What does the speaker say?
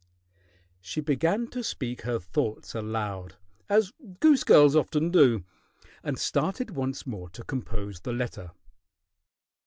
She began to speak her thoughts aloud, as goose girls often do, and started once more to compose the letter.